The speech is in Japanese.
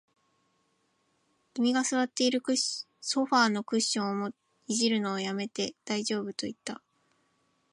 君は座っているソファーのクッションを弄るのを止めて、大丈夫と言った